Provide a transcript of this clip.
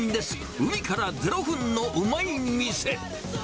海から０分のウマい店。